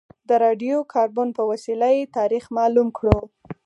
د راډیو کاربن په وسیله یې تاریخ معلوم کړو.